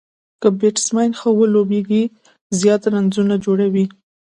که بيټسمېن ښه ولوبېږي، زیات رنزونه جوړوي.